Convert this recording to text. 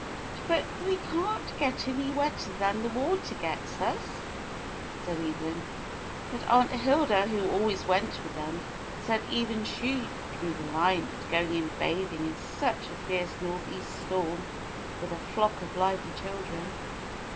"But we can't get any wetter than the water gets us," said Evelyn. But Aunt Hilda, who always went with them, said even she drew the line at going in bathing in such a fierce northeast storm with a flock of lively children.